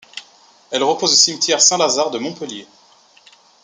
Elles reposent au cimetière Saint-Lazare de Montpellier.